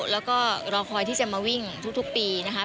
แล้วก็รอคอยที่จะมาวิ่งทุกปีนะคะ